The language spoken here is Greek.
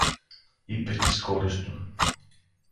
είπε της κόρης του